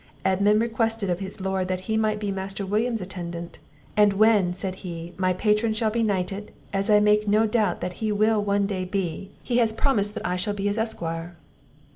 Edmund requested of his Lord that he might be Master William's attendant; "and when," said he, "my patron shall be knighted, as I make no doubt he will one day be, he has promised that I shall be his esquire."